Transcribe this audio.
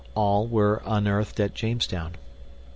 ALL WERE UNEARTHED AT JAMESTOWN.